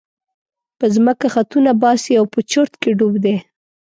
په ځمکه خطونه باسي او په چورت کې ډوب دی.